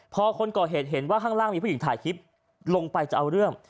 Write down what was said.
พอคนก่อเหตุเห็นว่าข้างล่างมีผู้หญิงถ่ายคลิปลงไปจะเอาเรื่อง